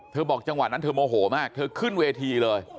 บอกจังหวะนั้นเธอโมโหมากเธอขึ้นเวทีเลย